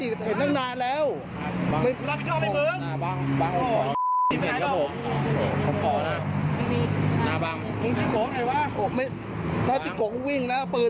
ไอ้นึกว่ากลัวมีปืน